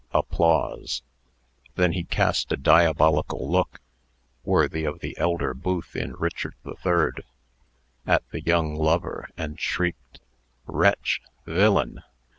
Then he cast a diabolical look (worthy of the elder Booth in Richard III) at the young lover, and shrieked, "Wretch! villain!